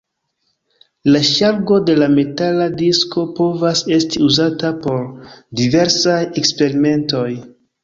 La ŝargo de la metala disko povas esti uzata por diversaj eksperimentoj.